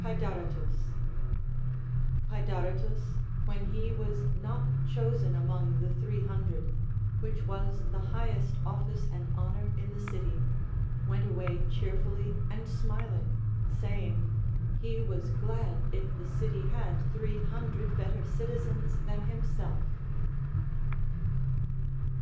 Paedaretus. Pacdaretus, when he Λvas not chosen among the Three Hundred (which was the highest office and honor in the city), Avent away cheerfully and smiling, saying, he was glad if the city had three hnndred better citizens than himself.